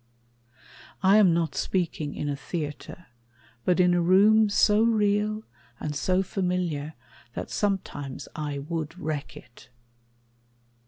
I am not speaking in a theatre, But in a room so real and so familiar That sometimes I would wreck it.